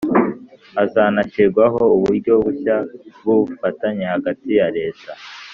Hazanashyirwaho uburyo bushya bw ubufatanye hagati ya leta